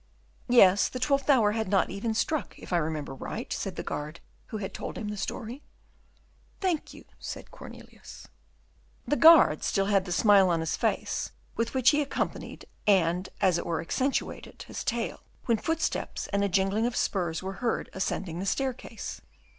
"Yes, the twelfth hour had not even struck, if I remember right," said the guard who had told him the story. "Thank you," said Cornelius. The guard still had the smile on his face with which he accompanied and as it were accentuated his tale, when footsteps and a jingling of spurs were heard ascending the stair case.